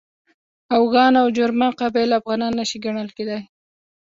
اوغان او جرما قبایل افغانان نه شي ګڼل کېدلای.